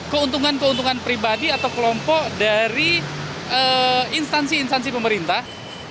keuntungan keuntungan pribadi atau kelompok dari instansi instansi pemerintah